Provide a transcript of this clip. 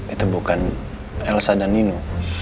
itu bukan elsa dan nino